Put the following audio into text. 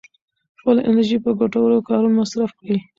خپله انرژي په ګټورو کارونو مصرف کړئ.